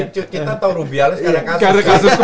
kita tahu rubialnya karena kasus